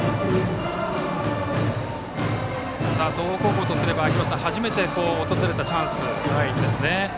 東北高校とすれば初めて訪れたチャンス。